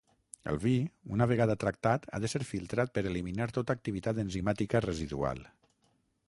El vi, una vegada tractat ha de ser filtrat per eliminar tota activitat enzimàtica residual.